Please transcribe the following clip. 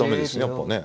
やっぱね。